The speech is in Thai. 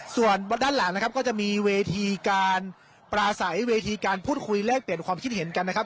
ส่วนด้านหลังนะครับก็จะมีเวทีการปราศัยเวทีการพูดคุยแลกเปลี่ยนความคิดเห็นกันนะครับ